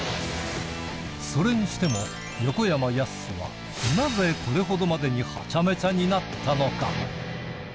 それにしても、横山やすしは、なぜこれほどまでにはちゃめちゃになったのか。